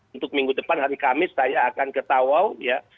untuk minggu depan hari kamis saya akan ke tawau ya